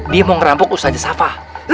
dia mau merambuk ustaz esafa